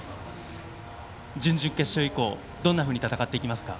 準々決勝以降どんなふうに戦っていきますか？